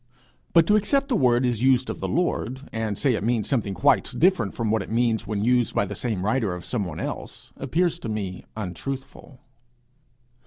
But to accept the word as used of the Lord, and say it means something quite different from what it means when used by the same writer of some one else, appears to me untruthful.